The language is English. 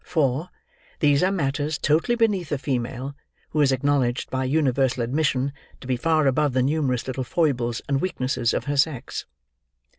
For, these are matters totally beneath a female who is acknowledged by universal admission to be far above the numerous little foibles and weaknesses of her sex.